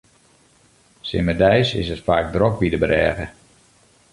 Simmerdeis is it faak drok by de brêge.